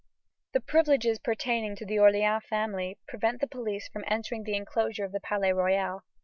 The privileges pertaining to the Orleans family prevent the police from entering the enclosure of the Palais Royal.